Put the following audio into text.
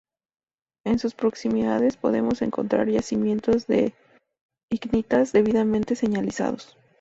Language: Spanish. En sus proximidades podemos encontrar yacimientos de icnitas debidamente señalizados.